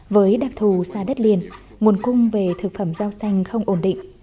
với đặc thù xa đất liền nguồn cung về thực phẩm rau xanh không ổn định